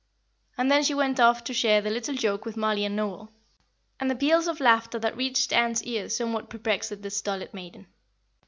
And then she went off to share the little joke with Mollie and Noel; and the peals of laughter that reached Ann's ears somewhat perplexed that stolid maiden.